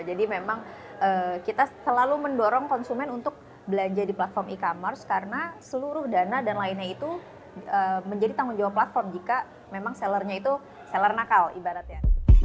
jadi memang kita selalu mendorong konsumen untuk belanja di platform e commerce karena seluruh dana dan lainnya itu menjadi tanggung jawab platform jika memang sellernya itu seller nakal ibaratnya